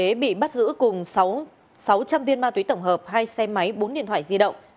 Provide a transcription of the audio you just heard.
phàng thị vế bị bắt giữ cùng sáu trăm linh viên ma tuyế tổng hợp hai xe máy bốn điện thoại di động